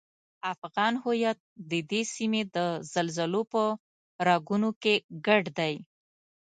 افغان هویت ددې سیمې د زلزلو په رګونو کې ګډ دی.